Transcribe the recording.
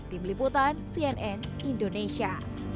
tim liputan cnn indonesia